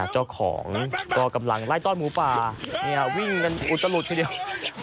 เจ้าของก็กำลังไล่ต้อนหมูป่าวิ่งกันอุตลุดทีเดียว